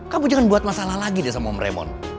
kamu jangan buat masalah lagi deh sama om remon